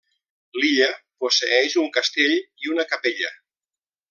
L'illa posseeix un castell i una capella.